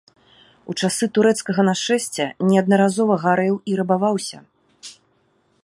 У часы турэцкага нашэсця неаднаразова гарэў і рабаваўся.